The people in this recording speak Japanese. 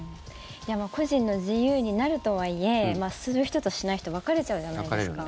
個人の自由になるとはいえする人としない人分かれちゃうじゃないですか。